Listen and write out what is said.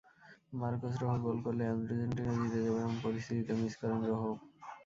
Marcos Rojo goal করলেই Argentina জিতে যাবে এমন পরিস্থিতিতে মিস করেন রোহোও।